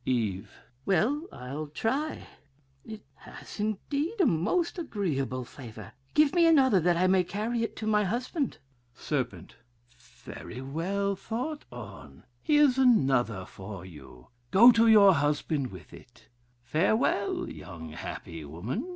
"Eve. Well, I'll try. It has, indeed, a most agreeable flavor. Give me another that I may carry it to my husband. "Serp. Very well thought on; here's another for you: go to your husband with it. Farewell, happy young woman.